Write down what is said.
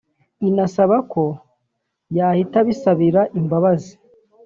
inasaba ko yahita abisabira imbabazi